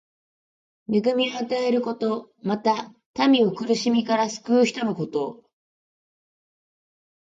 恵みを与えること。また、民を苦しみから救う人のこと。